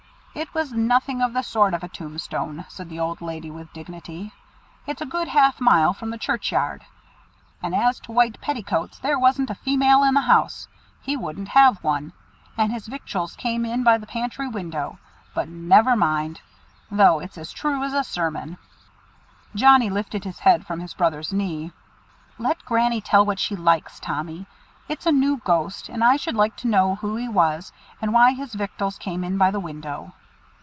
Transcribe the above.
"It was nothing of the sort as a tombstone," said the old lady with dignity. "It's a good half mile from the churchyard. And as to white petticoats, there wasn't a female in the house; he wouldn't have one; and his victuals came in by the pantry window. But never mind! Though it's as true as a sermon." Johnnie lifted his head from his brother's knee. "Let Granny tell what she likes, Tommy. It's a new ghost, and I should like to know who he was, and why his victuals came in by the window."